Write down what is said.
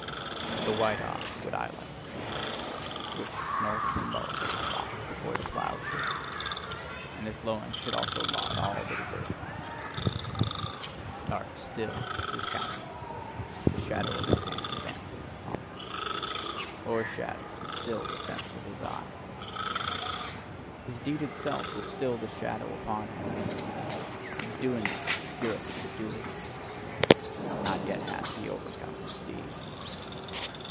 As a white ox would I like to see him, which, snorting and lowing, walketh before the plough share: and his lowing should also laud all that is earthly! Dark is still his countenance; the shadow of his hand danceth upon it. O'ershadowed is still the sense of his eye. His deed itself is still the shadow upon him: his doing obscureth the doer. Not yet hath he overcome his deed.